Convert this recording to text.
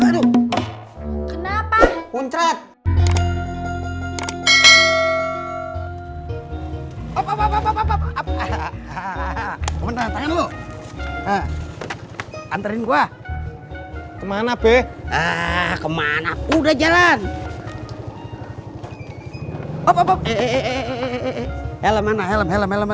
sampai jumpa di video selanjutnya